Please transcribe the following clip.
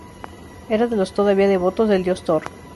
Era de los todavía devotos del dios Thor.